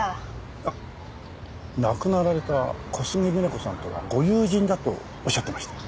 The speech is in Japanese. あっ亡くなられた小菅みな子さんとはご友人だとおっしゃってましたよね？